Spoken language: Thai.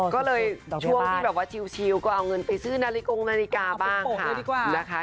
ก็เลยช่วงที่ชิวก็เอาเงินไปซื้อนาฬิกองนาฬิกาบ้างค่ะ